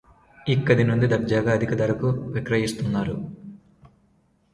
ఇక్కడి నుండి దర్జాగా అధిక ధరకు విక్రయిస్తున్నారు